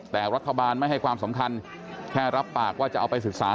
แต่รัฐบาลไม่ให้ความสำคัญแค่รับปากว่าจะเอาไปศึกษา